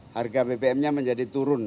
harga bbm nya menjadi turun